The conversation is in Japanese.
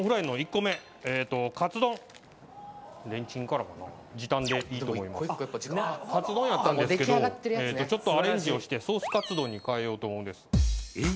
レンチンからかなカツ丼やったんですけどちょっとアレンジをしてソースカツ丼に変えようと思うんですえっ！？